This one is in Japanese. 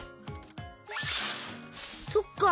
そっか。